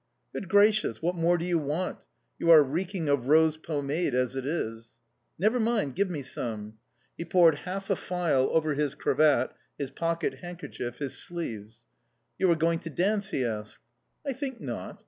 "Good gracious, what more do you want? You are reeking of rose pomade as it is." "Never mind. Give me some"... He poured half a phial over his cravat, his pocket handkerchief, his sleeves. "You are going to dance?" he asked. "I think not."